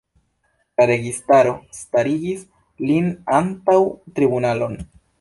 La registaro starigis lin antaŭ tribunalon.